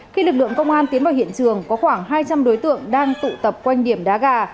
khi lực lượng công an tiến vào hiện trường có khoảng hai trăm linh đối tượng đang tụ tập quanh điểm đá gà